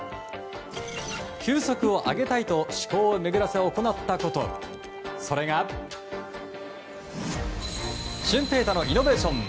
球速を上げたいと思考を巡らせ行ったことそれが舜平大のイノベーション